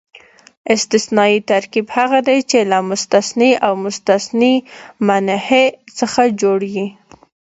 استثنایي ترکیب هغه دئ، چي له مستثنی او مستثنی منه څخه جوړ يي.